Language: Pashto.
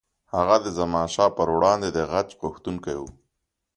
هغه د زمانشاه پر وړاندې د غچ غوښتونکی و.